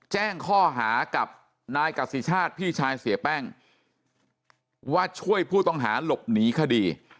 แจ้งข้อหากับนายกษิชาติพี่ชายเสียแป้งว่าช่วยผู้ต้องหาหลบหนีคดี